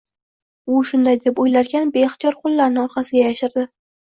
u shunday deb o‘ylarkan beixtiyor qo‘llarini orqasiga yashirdi